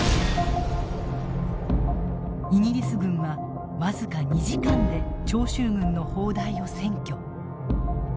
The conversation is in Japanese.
イギリス軍は僅か２時間で長州軍の砲台を占拠。